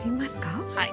はい。